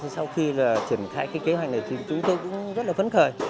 sau khi triển khai cái kế hoạch này thì chúng tôi cũng rất là phấn khởi